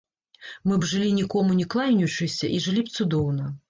Мы б жылі, нікому не кланяючыся, і жылі б цудоўна!